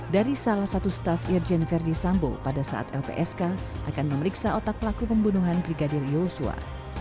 dari salah satu staf irjen verdi sambo pada saat lpsk akan memeriksa otak pelaku pembunuhan brigadir yosua